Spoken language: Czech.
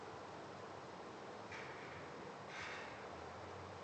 Jedná se o zranitelný druh.